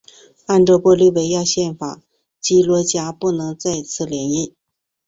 按照玻利维亚宪法基罗加不能再次连任。